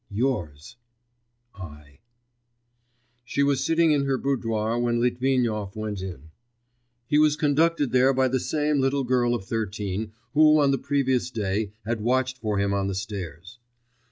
Yours, I.' She was sitting in her boudoir when Litvinov went in. He was conducted there by the same little girl of thirteen who on the previous day had watched for him on the stairs.